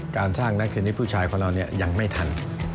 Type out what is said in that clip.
การสร้างนักเทนนิสผู้ชายของเรายังไม่ทัน